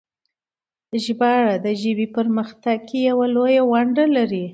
ژباړه د ژبې په پرمختګ کې لويه ونډه لري.